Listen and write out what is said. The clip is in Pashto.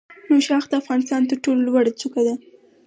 نوشاخ د افغانستان تر ټولو لوړه څوکه ده